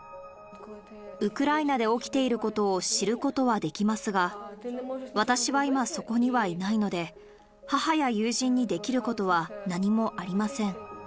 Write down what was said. ウクライナで起きていることを知ることはできますが、私は今、そこにはいないので、母や友人にできることは何もありません。